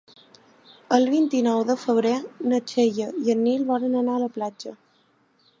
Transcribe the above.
El vint-i-nou de febrer na Xènia i en Nil volen anar a la platja.